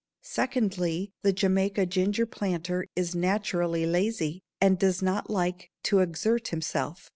Secondly, the Jamaica ginger planter is naturally lazy and does not like to exert himself.